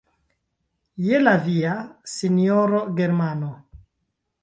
Je la via, sinjoro Germano!